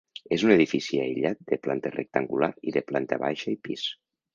És un edifici aïllat de planta rectangular de planta baixa i pis.